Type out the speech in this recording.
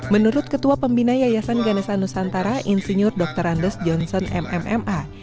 menurut ketua pembina yayasan ganesa nusantara insinyur dr andes johnson mmma